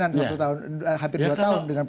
hampir dua tahun dengan presiden bustu